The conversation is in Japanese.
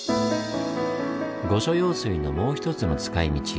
御所用水のもう一つの使いみち